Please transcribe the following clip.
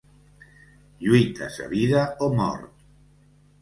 Lluites a vida o mort.